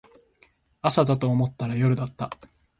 朝だと思ったら夜だった